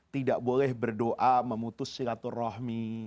tidak boleh berdoa memutus silaturahmi